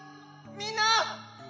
みんな！